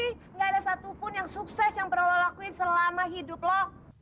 nggak ada satu pun yang sukses yang perlu lo lakuin selama hidup lo